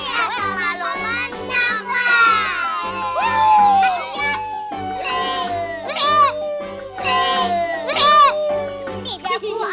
nih biar aku ambil boneka gue